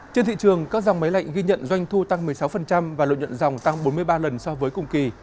trên thị trường các dòng máy lạnh ghi nhận doanh thu tăng một mươi sáu và lợi nhuận dòng tăng bốn mươi ba lần so với cùng kỳ